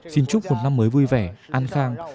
xin chúc một năm mới vui vẻ an khang